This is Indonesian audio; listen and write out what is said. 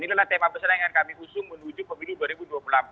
karena tema pesanan yang kami usung menuju pemilu dua ribu dua puluh empat